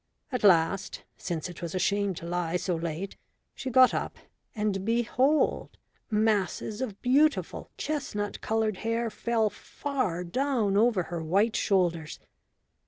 At last, since it was a shame to lie so late, she got up, and, behold, masses of beautiful chestnut coloured hair fell far down over her white shoulders!